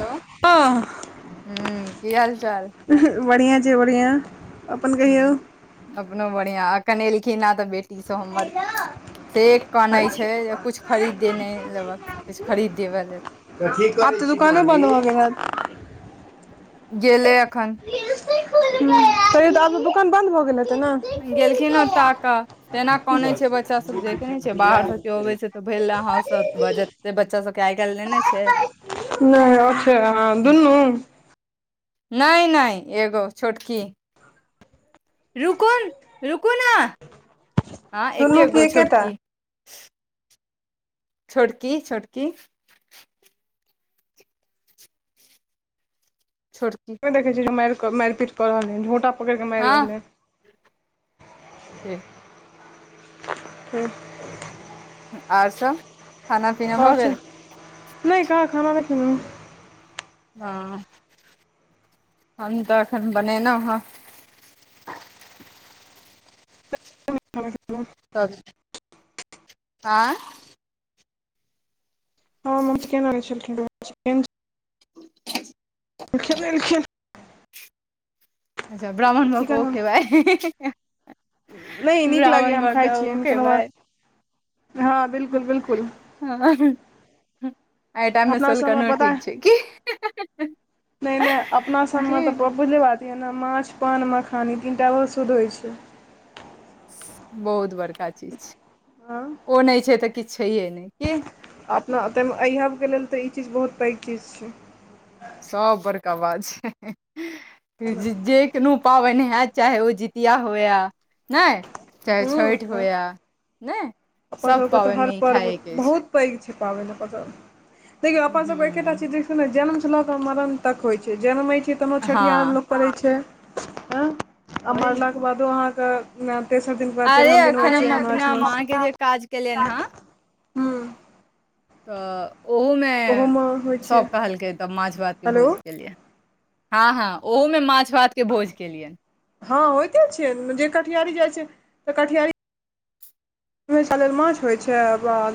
Hello हँ हूँ की हाल चाल बढ़ियाँ छै बढ़ियाँ हं अपनो बढ़िआँ आखन एलखिन ने तऽ बेटीसब हमर से कनैत छै किछु खरीदे नय लेबक किछु खरीद देबै लेल आब तऽ दुकानो बन्द भऽ गेल हैत गेलै एखन हं तौ तऽ आब दोकान बन्द भऽ गेलै तऽ ने गेलखिन ता कऽ तेना काने छै बच्चा सब देखै नय छै बाहर स केयौ अबै छै तऽ भेल हह सत बजे बच्चा सबके आइ काल्हि लेने छै नय अछ अ दुनू नय नय एगो छोटकी रुकन रुकु ने हँ दुनू एके की गो एकेटा छोटकी छोटकी छोटकी छोटकी देखै छै जे माइरऽ माइर पीट कऽ रहल है झोटा पकड़ि कऽ मारि हँ रहलै ठीक हूँ आउर सब खाना पीना भऽ आउर छै गेल नय कहाँ खाना नय खेलौं हें हँ हम तऽ एखन बनेलहुँ हेँ सब आँ हँ चिकेन आनैक ेे अच्छा ब्राह्मण भऽ क ओ क खेबय नय नीक लागैए हम खाइ छीयै ओ कोनो खेबै बात हँ बिलकुल बिलकुल हँ एहि टाइम में अपना सबमे सोलकनो पता ठीक छै की नहि नहि अपना की सबमे तऽ बुझले बात य ने माछ पान मखान ई तीनटा ओहो शुद्ध होइ छय बहुत बड़का चीज छै हँ ओ नय छै तऽ किछु छैहे नय की अपना त ऐहबके लेल तऽ ई चीज बहुत पैघ चीज छय सब बड़का बात छय जे कोनो पाबइन होत चाहे ओ जितिया होय ने चाहे हूँ छठि होय नय अपन सबके तऽ हर पर्व बहुत पैघ छै पाबनि प देखौ अपन सबके एकेटा हूँ चीज ने जन्म छलऽ तऽ मरण तक होइ छै जनमै छै तहनो हँ छठिहार में लोक पड़ै छै हँ आ ओहे ने मारला के बादो अहाँके नय तेसर दिनके बाद अरे तेरहम दिन एखन होइ छै हम माछ अपना मौस माँ के जे काज केलियनि हँ ओहोमे होइ छै सब कहलकै तब माछ भात के हेलो भोज के लियै हँ हँ ओहूमे माछ भात के भोज केलियनि हँ होइते छै जे कटिहारी जाइ छै तऽ कटिहारी लेल माछ होइत छै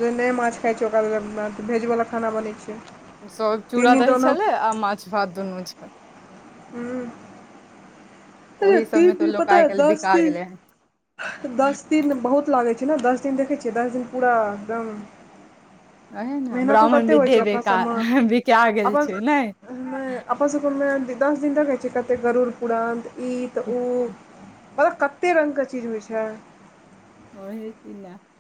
जे नहि माछ खाइत छै ओकरा लेल भेजवला खाना बनैत छै सब तीन चूड़ा दिन दही दोनो छलै आ माछ भात दुनू छल हूँ अरे ओहि ती सबमे तऽ ती लोक पता आइ ह काल्हि दस बिका दी गेलै हन दस दिन बहुत लागैत छै ने दस दिन देखैत छियै दस दिन पूरा एकदम अहे ने मेहनतो ब्राह्मण कते होइ छै विद्धे अपना बेका बिका गेल छै ने मे आप सुपुरमे दस दिन तक होइ छैकते गरुड़ पूरा ई तऽ ओ मतलब कते रङ्गके चीज होइ छै [unintelligible]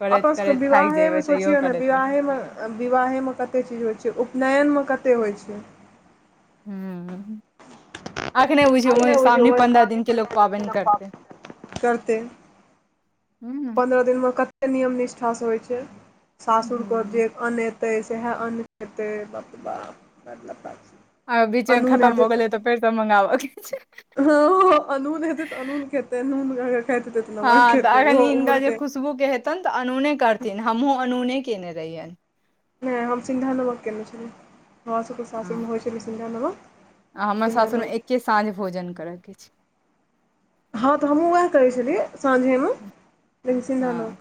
करैत आपन सभके करैत थाकि विवाहेमे जेबै तैयो सोचियौ ने करैत रह विवाहेमे विवाहेमे कते चीज होइ छै उपनयनमे कते होइ छै हँ आखने बुझियौ अखने बुझिय मसामने उमर पन्द्रह सामने दिनके लोक पड़ले पाबनि जते लोक करतै पाबनि हू दिन मे कते नियम निष्ठास से होइ छै सासुरके हूँ जे अन तऽ सेह अन खेतै बाप बाप मतलब आ बीच मे खतम भ गेलै तऽ फेर त मंगाबऽके छै हँ अनून हतै अनून खेतै नून खाते हँ तऽ अखन हिनका जे खुशबू के हेतनि तऽ अनूने करथिन हमहुँ अनूने केने रहियैनि नहि हम सिन्धा नमक कयने छलै हमरा सभके हँ सासुरमे होइ छलै सिन्धा नमक आ हमर सिन्धा सासुरमे नमक एकके साँझ भोजन करयके अछि हँ तऽ हमहुू वएह करै छलियै साँझे हँ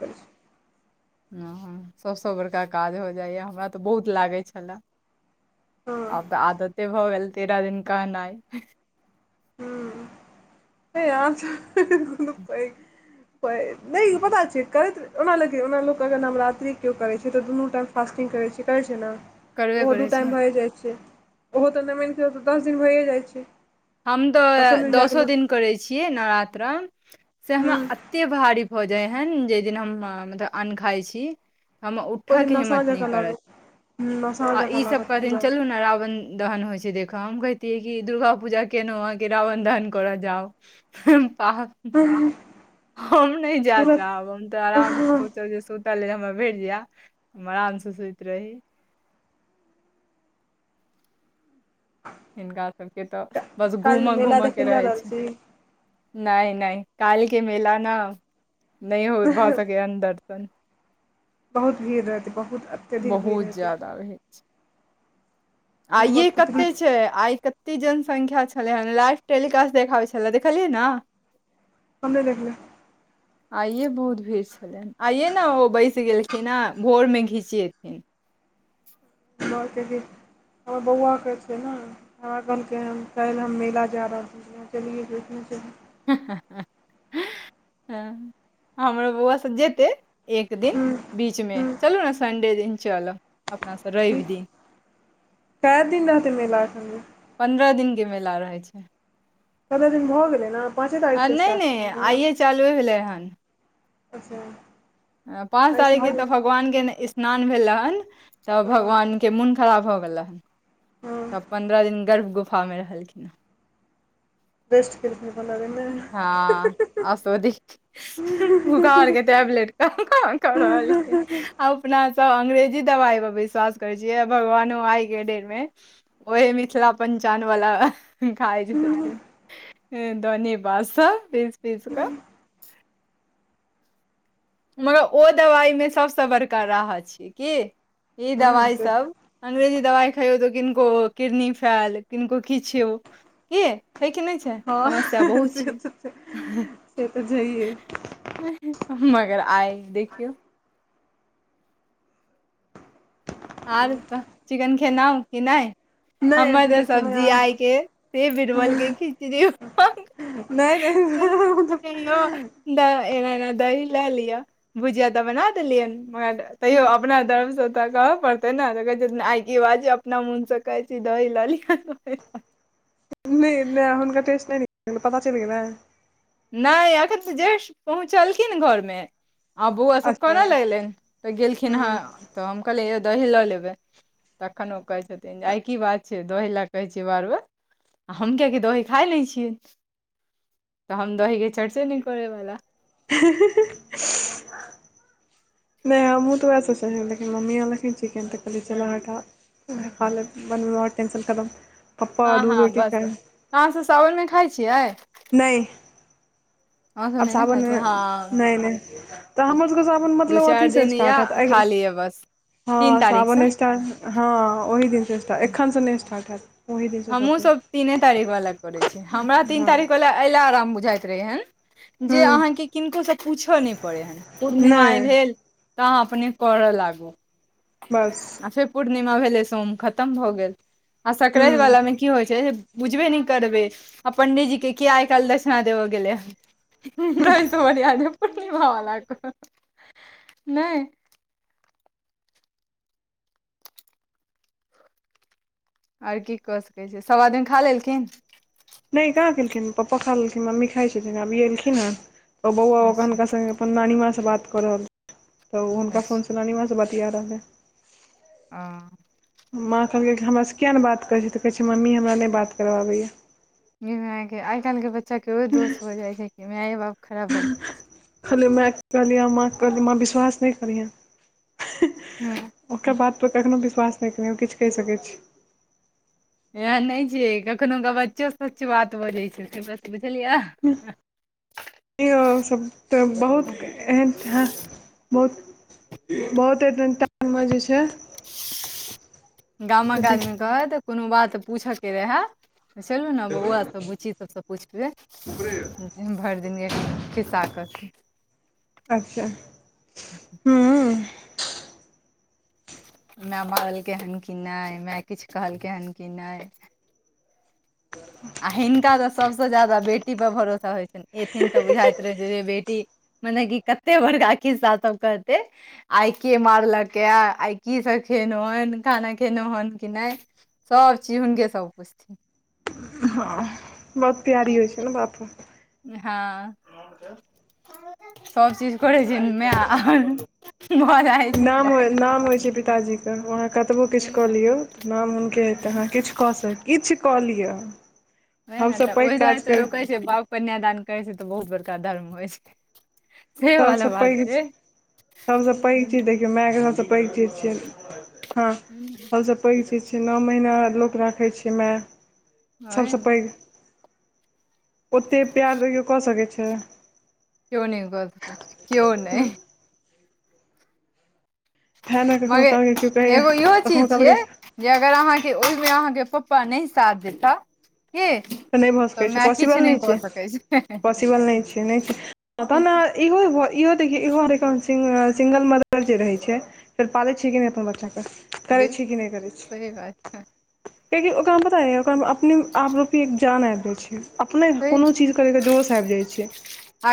सभसँ बड़का काज हो जाइए हमरा तऽ बहुत लागै छलए हँ आबऽ आदते भऽ गेल तेराह दिन कहनाइ हूँ यह [unintelligible] नहि पता छै करैत ओना ल ओना लोक अगर नवरात्रि केओ करै छै तऽ दुनू टाइ फासस्टिंग करैछी करै छै नह करबे ओहो दू करै छै टाइम भए जाइ छै ओहो तऽ नहि मानि क तऽ दस दिन भरिए जाइ छै हम तऽ तसलमे जा कऽ दसो लोक दिन करे छियै नवरात्रासे हमरा हूँ एते भारी होऽ जाइ हन जाहि दिन हम मतलब अन्न खाइ छी हम उठयके ओहिदिन नशा हिम्मत नहि जकाँ करत लागत हम्म, नशा आ जकाँ ईसभ लागत कथिन पूरा चलू ने रावण दहन होइ छै देखऽ हम कहितियै कि दुर्गा पूजाे के नह के रावण दहन‌ कर जााउ प हँ हम नहि जाय चब हम तऽ आरामसँ सोचल जे सुतल हमरा भेट जाय हमरा आराम सल्टऽ सुइत रही हिनका सभके तऽ बस काल्हि घूमय मेला घूमय देखै के लए जा रहै रहल छै छी नहि नहि काइल के मेला न नहि हो भऽ सकेै अन्दर कपन बहुत भीड़ रहतै बहुत अत्यधिक भीड़ रहतै त [unintelligible] हमर आइे पुतली कते छै आइ कते की जनसंख्या छलै हेन लाइव टेलीकास्ट देखाबै छलै देखलियै ने बन्द देख गेलै आइे बहुत भीड़ छल आइये ने ओ बैस गेलखिन हैं भोर मे घीचिथिन बहुत की हमर बौआके छै ने हमरा कहलकै हं काल्हि हम मेला जा रहलि चलियने च हमरो बौआ सब जेतै एक दिन हूँ बीचमें हूँ चलू ने सडेन चल अपनासँ रवि दिन [unintelligible] कै दिन रह हत मे लखन में पन्द्रह दिनक के मेला रहै छै कते दिन भऽ गेलै ने पाँचे तारीखसँ स्टार्ट छलै हँ चालू भेलै हन अच्छा पाँच एहिसँ तारीख के मेला तऽ भगवान के स्नान भेलर हन तऽ हँ भगवान के मोन खराब भऽ गेल रहन हँ तब पन्द्रह दिन गर्भ गुफा में रहलखिन रेस्ट केलखिन हँ आसधिक भुखार के टैबलेट खा रहलखिन अपना सब अंग्रेजी दवाइ पर विश्वास करे छियै भगवानो आइ के डेट में ओहे मिथिला पंचान वला खायज धनी बस पीस पीस कऽ [inaudible] मगर ओ दबाइमे सभसँ बड़का राह छियै कऽ ई हूँ से दवाइसब अंग्रेजी दवाइ खइयौ तऽ किनको किडनी फैल किनको कि छियौ कि छैै कि नय छै हँ बहुत से छै तऽ से तऽ जइए मगर आइ देखियौ आर तऽ चिकेन खेनाउ कि नय नहि हमर एखन तऽ तक समय सब्जी आय के से बिरबल के खिचड़ी नहि [inaudible] नहि दऽ एना एना दही लै लियअ भुजिया तऽ बना देलियनि मगर तैयो अपना धर्मसँ तऽ पड़तै ने तऽ कहै छै आइ बाजे अपना मोनसँ कहै छै दऽ लि नय नय हुनका टेस्ट नय न पता चइल गेल नइ एखन तऽ जस्ट पहुँचलखिन घर में आ बौआ सब अच्छा कोना लगलैनि त गेलखिन हेँ हूँ तऽ हम कहलियै यौ दही लऽ लेबै तखन ओ कहै छथिन जे आइ की बात छय दही लए कहै छियै बार बार आ हम कियैकि दही खा नहि छियै तऽ हम दही के चर्से न करेवला ह [inaudible] नइ हमूँ तऽ उएह सोचलिय लेकिन मम्मी आनलखिन चिकै तऽ कहलियै चलह हटा हालत बनमे टेंशन खतम पप्पा दूध रोटी खायइ अहाँसब सावन में खाइ छियै नइ हैं सुने ने खा हँ नहि नहि तऽ हमर सबके सावन दू मतलब चार अथीसँ दिन स्टार्ट हैत इहै खा अगिला लिय बस, तीन हँ तारीखसँ सावन स्टार्ट हँ ओहि दिनसँ स्टार्ट एखनसँ नहि स्टार्ट हेत् हमहूँ सभ तीने तारीख वला करैत छै हमरा तीन हँ तारीख वला अयला आराम बुझाइत रहै हन जे हँ अहाँकेँ किनको सँ पूछय नहि पड़ै हन पूर्णिमा नहि भेल तऽ अपने करऽ लागू। बस। आ फेर पूर्णिमा भेले सोम खतम भऽ गेल आ हँ सकरा। बुझबे नहि करबै आ पंडितजी के किया आइ काल्हि दक्षिणा देबऽ गेलै ह। तहि सँ बढ़िया पूनिमा वला करू। आर की कऽ सकैत छी सभ आदमी खा लेलखिन। नहि कहाँ केलखिन पपा खा लेलखिन मम्मी खाइ छथिन आब इ एलखिन ह बौआ अच्छा हनका संगे। अपन नानीमाँ सँ बात कऽ रहल तऽ हुनका अच्छा फोनसँ नानीमाँ सँ बतिया रहलै। आ। माँ कहलकै कि हमरासँ कियाक नहि बात करैत छै तऽ कहै छै मम्मी हमरा नहि बात करबाबैया। माय के आइ काल्हि के बच्चा के ओ दोष हो जाय छै कि मायए बाप खराब भऽ। कहलियै माय कहलियह माँ कहलिय माँ विश्वास नहि करिहे। हूँ। ओकर बात पर कखनो विश्वास नहि कयै किछु कहि सकैत छी। एहन नहि छियै कखनो क बच्चो सच बात बजै छै बुझलियै। हूँ। ई आओर सभ तऽ बहुत एहन ह बहुत। बहुत दिन टामे जे छै। से गामक दिक आदमी कहत कोनो बात पूछयके रहे। चलू ने बआ सभबूछि। सभसँ पूछिके भरि दिन खिस्सा कऽ। अच्छा। हूँ मै मरलके हन कि नहि मै किछु कहलकै हन कि नहि। आ हिनका तऽ सभसँ ज्यादा बेटीपर भरोसा होइत छनि एथिन तऽ बुझाइत रहैत छै जे बेटी। मने कि कते बड़का खिस्सा सभ कहतै आइ के मारलक य आइ की सब खेलहु हन खाना खेलहु हन कि नहि। सभचीज हुनके सभ पुछथिन हँ बहुत प्यारी होइ छै ने बाप हँ सभ चीज कर छै मेय आर। भर। नाम नाम होइ छै पिताजी के। तऽ हम अहाँ कतबो किछु वएह कऽ ने लियौ तऽ नाम हुनके हेतै अहाँ किछु कऽ सक किछु कऽ लिअ। ओए ने तऽ हमसभ पैघ ओहि दुआरे काज तऽ कर रोकै छै बाप कन्यादान करै छै तऽ बहुत बड़का धर्म होइ छै। से सभसँ वाला बात पैघ छै सभसँ पैघ चीज देख मेयके सभ पैघ चीज छै हँ सभ पैघ चीज छै नउ महिना लोक राखै छै माय ओहे सभसँ ने पैघ ओतेक प्यार तौ कऽ सकैत छै। कजओ नहि गलत करै क्यओ नहि। तेँ ने कखनो कालके केओ मगर कहैए एगो इहो कखनो चीज कालके छियै। जे अगर अहाँकेँ ओहिमे अहाँकेँ पप्पा नहि साथ देता की तऽ न नइ भऽ सकै छै माय किछु पॉसिबल नहि नइ छै कऽ सकै छै पॉसिबल नइ छै नइ छै तह ने इहो इहो देखियौ इहो हरि सिंगल मदर जे रहै छै फेर पालै छै कि नइ अपन बच्चाके करै छी बिलकुल कि नइ करै सही बात छै कियाकि ओकरा पता ये ओकरा में अपने आपरूपी एक जान आइब जाई छै अपने छै कोनो चीज करैके जोश आइब जाइ छै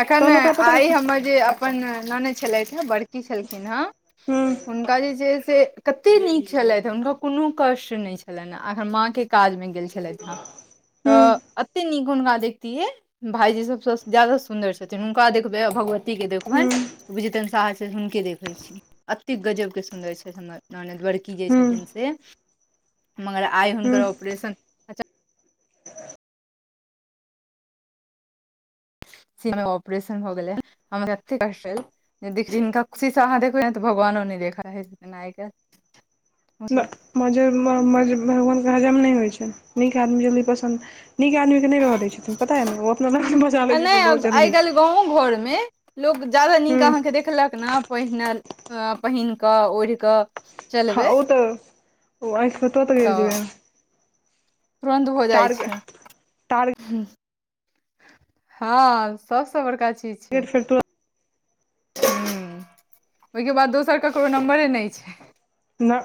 एखन ओकरा पता आइ हमर जे अपन ननदि छलथि हँ बड़की छलखिन हेँ हूँ हुनका जे छै से कत्ते नीक छलथि हुनका कोनो कष्ट नइ छलनि एखन मांके काजमें गेल छलथि हन तऽ एतेक नीक हुनका देखतियै भाईजी सबसँ ज्यादा सुन्दर छथिन हुनका देखबे भगवती के देखबनि हूँ बुझेतन साहछत हुनके देखे छी अते गजब के सुन्दर छै हमर ननइद बड़की जे हूँ छथिन से मगर आइ हुनकर हूँ ऑपरेशन सीमे ऑपरेशन भऽ गेलै हमर कतेक कष्ट अहि जिनका खुशी से अहाँ देखबै ने तऽ भगवानो ने देखा है नका मज मज भगवानके हजम नइ होइ छै नीक आदमी जल्दी पसन्द नीक आदमीके नहि रहऽ दै छथिन पता हइ ने ओ अपना लग बचा लै छथिन बहुत जल्दी गाँव घर में लोक जादा नीक हूँ अहाँके देखलक ने पहिनल अ पहिन कऽ ओढ़ि कऽ हँ चलबै ओ तऽ ओ आंखि में तो तऽ गिर जेबै तुरन्त हो जाइ टारगे छै टारगेट हँ सबस बड़का चीज गि फ हम्म ओहिके बाद दोसर ककरो नम्बरे नइ छै नइ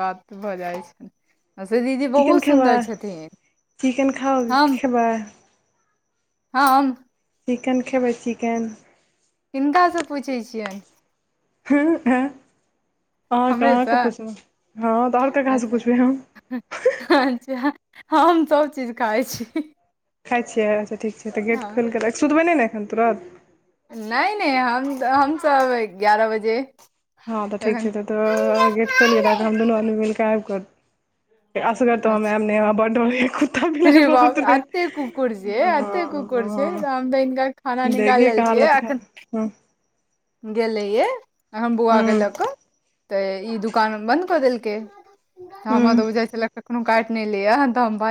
बात भऽ जाइ छै से दीदी चिकेन बहुत खेबै सुन्दर छथिन चिकेन खाउ हम खेबै हम चिकेन खेबै चिकेन किनकासँ पूछैए छियनि [unintelligible] आहाँके हमरेसँ आके पुछलहु हँ तऽ ओर क कह से अच्छा पुछबै हम हम सब चीज खाइ छी खाइ छीय अच्छा ठीक छै तऽ गेट खोल हँ के रखऽ सुतबै नइ ने एखन तुरत नइ नइ हम हमसब ग्यारह बजे हँ तऽ ठीक तखन छै तऽ तऽ गेट खोलि के राखब हम दुनू आदमी मिलि कऽ आबि कऽ असगर तऽ हम अच्छा करब नै हमरा बड डर होइये कुत्ता बिलाइ रे बाप बहुत रहैत एते कुकुर छै एते हँ कुकुर छै हँ हम तऽ हिनका खाना निकाल देखिये लेल के छियै हालत एखन खराब हूँ गेलैयै हम बौआ के हूँ लऽ कऽ तऽ ई दुकान बंद क देलकै हमर हूँ तऽ बुझायै छले कखनो काइट अपने ले दम [unintelligible]